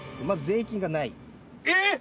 えっ？